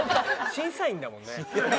審査員だもんね。